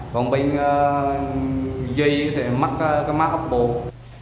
còn bên duy thì mắc cái máy ốc bột